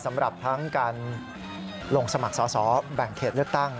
สำหรับทั้งการลงสมัครสอสอแบ่งเขตเลือกตั้ง